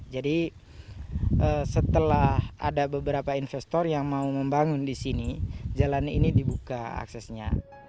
jadi setelah ada beberapa investor yang mau membangun di sini jalan ini dibuka aksesnya